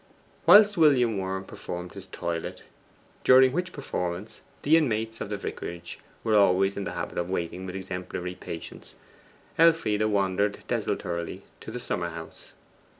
Whilst William Worm performed his toilet (during which performance the inmates of the vicarage were always in the habit of waiting with exemplary patience), Elfride wandered desultorily to the summer house.